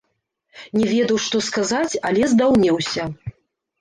Не ведаў, што сказаць, але здаўмеўся.